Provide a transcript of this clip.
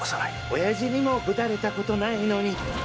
おやじにもぶたれたことないのに！